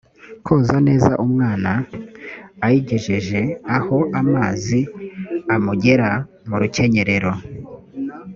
koga neza umwana ayigejeje aho amazi amugera mu rukenyerero